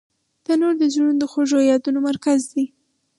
تنور د زړونو د خوږو یادونو مرکز دی